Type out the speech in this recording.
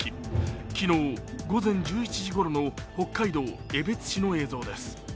昨日午前１１時ごろの北海道江別市の映像です。